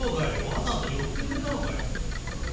わざわざ寄ってくれたのかい。